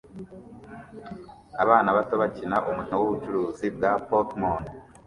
Abana bato bakina umukino wubucuruzi bwa pokemon